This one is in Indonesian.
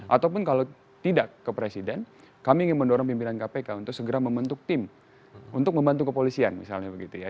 ataupun kalau tidak ke presiden kami ingin mendorong pimpinan kpk untuk segera membentuk tim untuk membantu kepolisian misalnya begitu ya